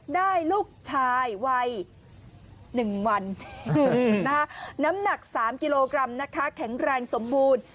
ได้ลูกชายวัย๑วันน้ำหนัก๓กิโลกรัมนะคะแข็งแรงสมบูรณ์